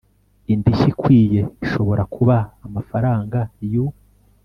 Indishyi ikwiye ishobora kuba amafaranga y u